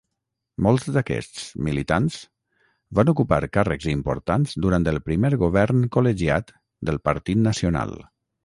Molts d'aquests militants van ocupar càrrecs importants durant el primer govern col·legiat del Partit Nacional.